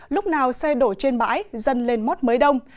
lúc nào xe đổ trên bãi dân lên mót mới đông